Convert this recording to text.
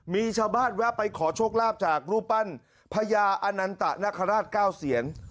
มีชาวบ้านแวะไปขอโชคลาภจากรูปปั้นพญาอนันตะนคราช๙เสียน